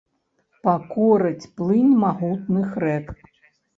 Пакорыць плынь магутных рэк.